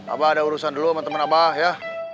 abah ada urusan dulu sama teman abah ya